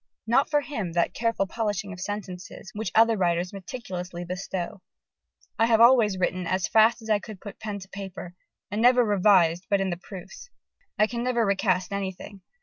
Not for him that careful polishing of sentences, which other writers meticulously bestow. "I have always written as fast as I could put pen to paper, and never revised but in the proofs.... I can never recast anything.